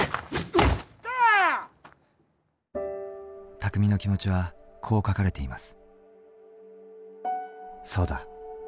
巧の気持ちはこう書かれています。